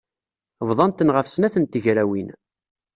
Bḍan-ten ɣef snat n tegrawin.